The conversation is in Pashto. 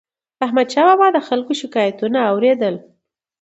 احمدشاه بابا به د خلکو شکایتونه اور يدل.